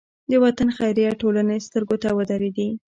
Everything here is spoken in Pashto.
د وطن خیریه ټولنې سترګو ته ودرېدې.